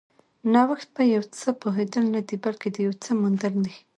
نوښت په یو څه پوهېدل نه دي، بلکې د یو څه موندل دي.